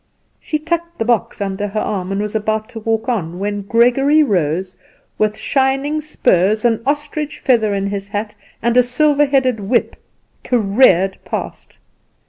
She tucked the box under her arm and was about to walk on, when Gregory Rose, with shining spurs, an ostrich feather in his hat, and a silver headed whip, careered past.